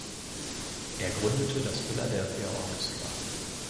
Er gründete das Philadelphia Orchestra.